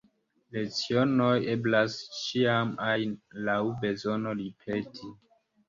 Lecionojn eblas ĉiam ajn laŭ bezono ripeti.